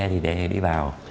thì để đi vào